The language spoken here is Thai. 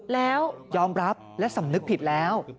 แล้วยอมรับและสำนึกผิดแล้ว